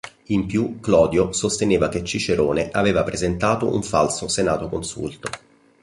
In più Clodio sosteneva che Cicerone aveva presentato un falso senatoconsulto.